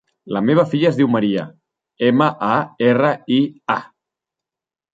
La meva filla es diu Maria: ema, a, erra, i, a.